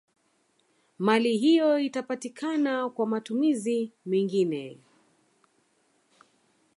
Mali hiyo itapatikana kwa matumizi mengine